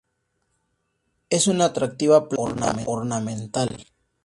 Es una atractiva planta ornamental.